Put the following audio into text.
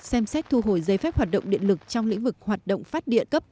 xem xét thu hồi giấy phép hoạt động điện lực trong lĩnh vực hoạt động phát điện cấp